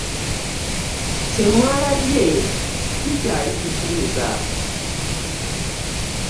Kye mwalabye kikyali kituuza.